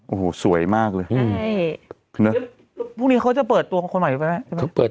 โอ้โหสวยมากเลยเนี่ยพรุ่งนี้เขาจะเปิดตัวของคนใหม่ไปไหมใช่ไหม